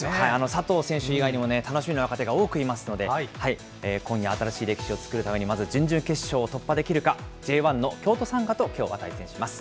佐藤選手以外にも楽しみな若手が多くいますので、今夜、新しい歴史を作るために、まず準々決勝突破できるか、Ｊ１の京都サンガときょうは対戦します。